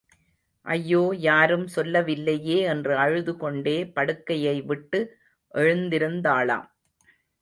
ஐயோ யாரும் சொல்லவில்லையே, என்று அழுதுகொண்டே படுக்கையை விட்டு எழுந்திருந்தாளாம்.